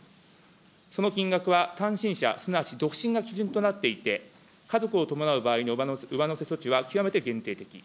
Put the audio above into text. その金額は単身者、すなわち独身が基準となっていて、家族を伴う場合の上乗せ措置は極めて限定的。